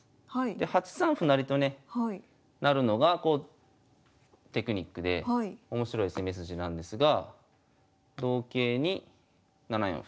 ８三歩成とね成るのがテクニックで面白い攻め筋なんですが同桂に７四歩。